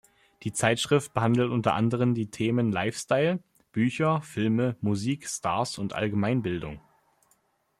Die Zeitschrift behandelt unter anderen die Themen Lifestyle, Bücher, Filme, Musik, Stars und Allgemeinbildung.